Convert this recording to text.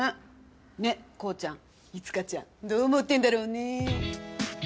ねっ紘ちゃん。いつかちゃんどう思ってんだろうね？